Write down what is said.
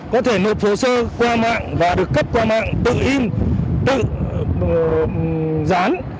có thể nộp hồ sơ qua mạng và được cấp qua mạng tự in tự dán